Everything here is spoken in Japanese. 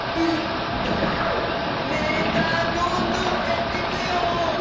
メーターどんどんへってくよ。